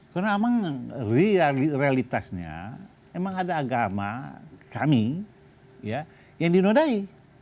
karena memang realitasnya memang ada agama kami ya yang dinodai